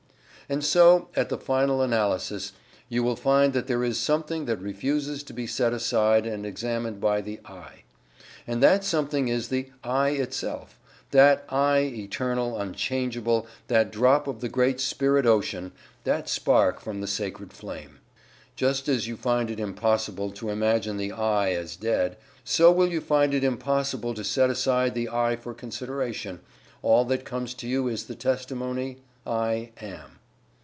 And so at the final analysis, you will find that there is something that refuses to be set aside and examined by the "I." And that something is the "I" itself that "I" eternal, unchangeable that drop of the Great Spirit Ocean that spark from the Sacred Flame. Just as you find it impossible to imagine the "I" as dead, so will you find it impossible to set aside the "I" for consideration all that comes to you is the testimony: "I AM."